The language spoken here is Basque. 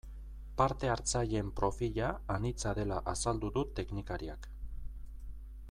Parte hartzaileen profila anitza dela azaldu du teknikariak.